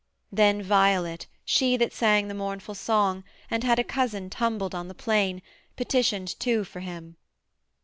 Then Violet, she that sang the mournful song, And had a cousin tumbled on the plain, Petitioned too for him.